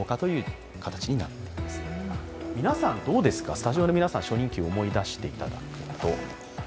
スタジオの皆さん、初任給を思い出していただくと。